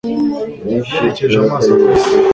Yerekeje amaso kuri se.